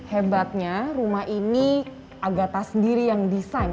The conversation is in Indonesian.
nah hebatnya rumah ini agata sendiri yang desain